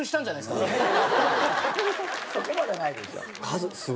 そこまではないでしょ。